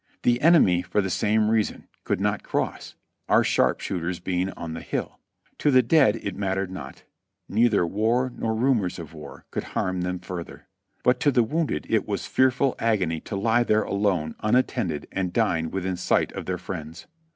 The enemy for the same reason could not cross, our sharpshooters being on the hill. To the dead it mattered not ; neither "war nor rumors of war" could harm them further; but to the wounded it was fearful agony to lie there alone unattended and dying within sight of their friends.